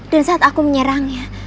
dan saat aku menyerangnya